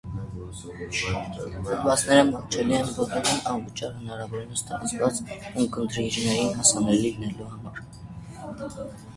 Հոդվածները մատչելի են բոլորին՝ անվճար, հնարավորինս տարածված ունկնդիրներին հասանելի լինելու համար։